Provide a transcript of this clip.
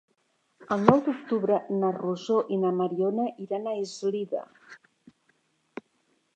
El nou d'octubre na Rosó i na Mariona iran a Eslida.